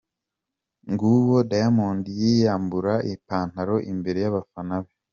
Nguwo Diamond yiyambura ipantaro imbere y'abafana be.